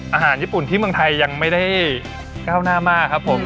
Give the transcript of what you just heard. อาหารญี่ปุ่นที่เมืองไทยยังไม่ได้ก้าวหน้ามากครับผม